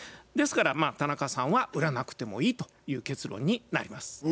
ですから田中さんは売らなくてもいいという結論になります。